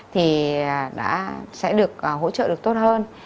thì đã sẽ được hỗ trợ được tốt hơn